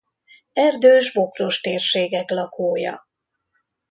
Erdős-bokros térségek lakója.